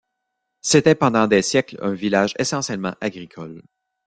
C’était pendant des siècles un village essentiellement agricole.